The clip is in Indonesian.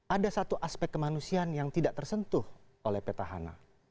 ada satu aspek kemanusiaan yang tidak tersentuh oleh petahana